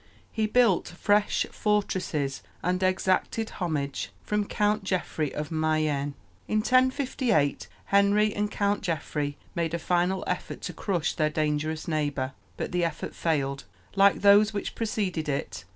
He built fresh fortresses and exacted homage from Count Geoffrey of Mayenne. In 1058 Henry and Count Geoffrey made a final effort to crush their dangerous neighbor; but the effort failed, like those which preceded it.